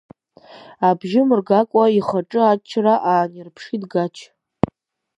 Абжьы мыргакәа ихаҿы аччара аанирԥшит Гач.